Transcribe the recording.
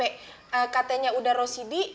eh katanya udah rosidi